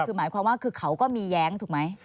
คือหมายความว่าคือเขาก็มีแย้งถูกไหม